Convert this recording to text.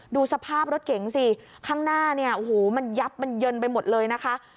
ดูสภาพรถเก๋งสิข้างหน้าเนี่ยโอ้โหมันยับมันเยินไปหมดเลยนะคะ